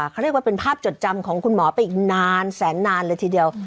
คือเป็นภาพจดจำของคุณหมออีกแสนนานเลยทีเดียว